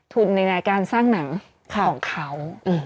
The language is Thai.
ทุมในการสร้างหนังของเขา